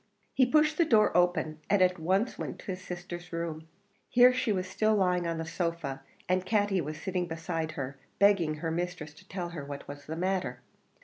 He pushed the door open, and at once went into his sister's room. Here she was still lying on the sofa, and Katty was sitting beside her begging her mistress to tell her what was the matter.